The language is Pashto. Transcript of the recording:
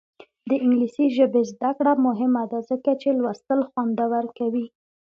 د انګلیسي ژبې زده کړه مهمه ده ځکه چې لوستل خوندور کوي.